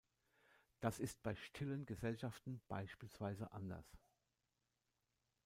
Das ist bei stillen Gesellschaften beispielsweise anders.